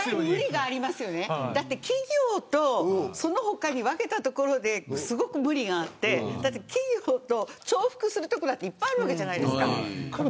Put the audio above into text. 無理がありますよね、だって企業とそのほかに分けたところですごく無理があってだって、企業と重複するところだっていっぱいあるわけじゃないですか。